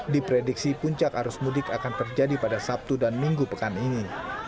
diprediksi puncak arus mudik akan terjadi pada sabtu dan minggu pekan ini